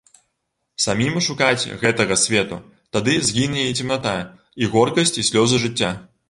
Самім шукаць гэтага свету, тады згіне і цемната, і горкасць, і слёзы жыцця.